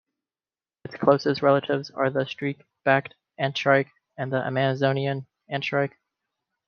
Its closest relatives are the streak-backed antshrike and the Amazonian antshrike.